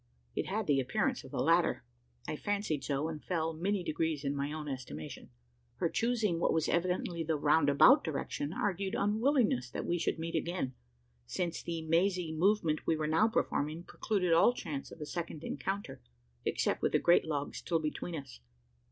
It had the appearance of the latter. I fancied so, and fell many degrees in my own estimation. Her choosing what was evidently the "round about" direction, argued unwillingness that we should meet again: since the mazy movement we were now performing precluded all chance of a second encounter, except with the great log still between us.